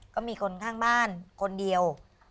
ก็มีคนข้างบ้านคนเดียว